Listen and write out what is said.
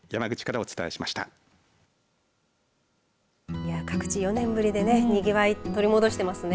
いや、各地４年ぶりでにぎわい取り戻していますね。